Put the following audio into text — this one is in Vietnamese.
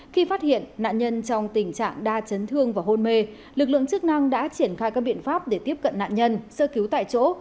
khi phát hiện nạn nhân trong tình trạng đa chấn thương và hôn mê lực lượng chức năng đã triển khai các biện pháp để tiếp cận nạn nhân sơ cứu tại chỗ